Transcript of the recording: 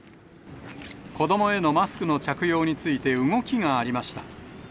子どもへのマスクの着用について、動きがありました。